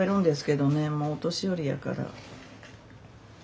もうお年寄りやから。